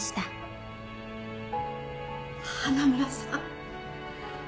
花村さん。